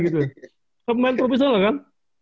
tapi pemain pro bisa gak kan